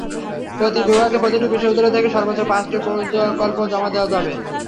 প্রতি বিভাগে প্রতিটি বিশ্ববিদ্যালয় থেকে সর্বোচ্চ পাঁচটি প্রকল্প জমা দেওয়া যাবে।